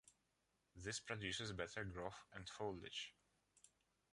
This produces better growth and foliage.